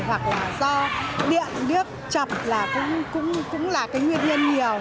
hoặc là do điện điếc chọc là cũng là cái nguyên nhân nhiều